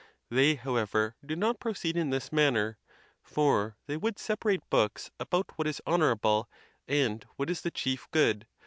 They, however, do not proceed in this manner; for they would separate books about what. is honorable, and what is the chief good